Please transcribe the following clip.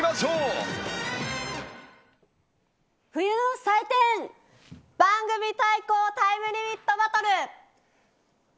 冬の祭典番組対抗タイムリミットバトル。